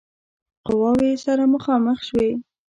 قواوې سره مخامخ شوې.